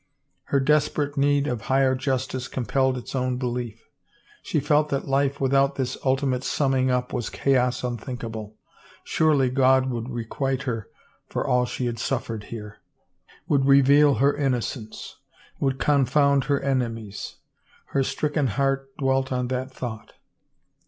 Her desperate need of higher justice compelled its own be lief ; she felt that life without this ultimate summing up was chaos unthinkable. Surely God would requite her for all she had suffered here ... would reveal her in nocence ... would confound her enemies ... her stricken heart dwelt on that thought.